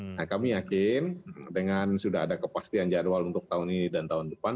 nah kami yakin dengan sudah ada kepastian jadwal untuk tahun ini dan tahun depan